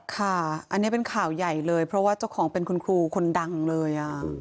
ค่ะอันนี้เป็นข่าวใหญ่เลยเพราะว่าเจ้าของเป็นคุณครูคนดังเลย